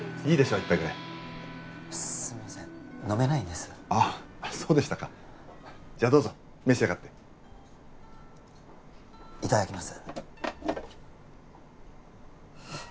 一杯ぐらいすみません飲めないんですあッそうでしたかじゃあどうぞ召し上がっていただきます